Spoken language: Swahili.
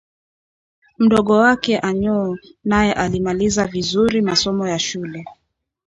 mdogo wake Anyoo naye alimaliza vizuri masomo ya shule